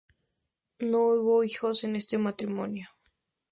No hubo hijos en este matrimonio.